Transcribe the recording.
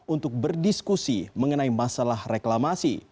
untuk berdiskusi mengenai masalah reklamasi